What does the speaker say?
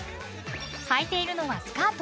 はいているのはスカート？